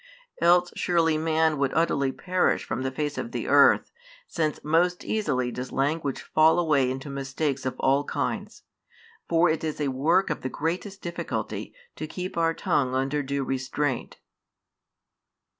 Else surely man would utterly perish from the face of the earth, since most easily does language fall away into mistakes of all kinds; for it is a work of the greatest difficulty to keep our tongue under due restraint.